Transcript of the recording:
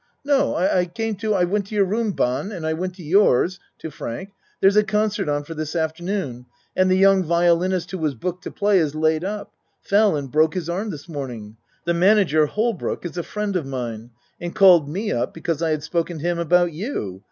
No I came to I went to your room, Bahn, and I went to yours (To Frank.} There's a concert on for this afternoon and the young violinist who was booked to play is laid up fell and broke his arm this morning. The manager Holbrooke, is a friend of mine, and called me up because I had spoken to him about you.